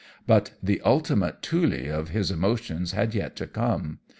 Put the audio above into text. "But the Ultima Thule of his emotions had yet to come.